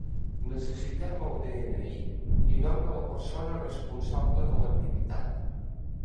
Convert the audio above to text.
Necessitem el de-ena-i i nom de la persona responsable de l'activitat.